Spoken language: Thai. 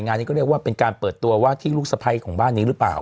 งานนี้ก็เรียกว่าเป็นการเปิดตัวว่าที่ลูกสะพ้ายของบ้านนี้หรือเปล่า